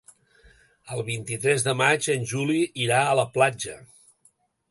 El vint-i-tres de maig en Juli irà a la platja.